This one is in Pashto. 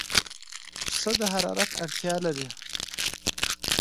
پسه د حرارت اړتیا لري.